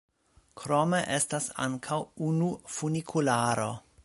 Krome estas ankaŭ unu funikularo.